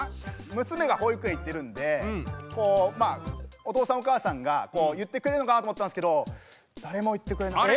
娘が保育園行ってるんでお父さんお母さんが言ってくれるのかなと思ったんすけど誰も言ってくれなかった。